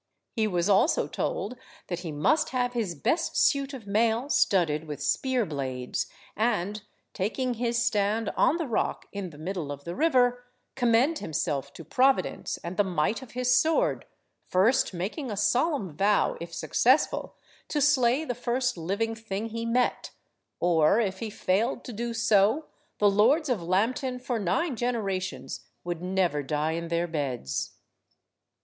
He was also told that he must have his best suit of mail studded with spear–blades, and, taking his stand on the rock in the middle of the river, commend himself to Providence and the might of his sword, first making a solemn vow, if successful, to slay the first living thing he met, or, if he failed to do so, the Lords of Lambton for nine generations would never die in their beds.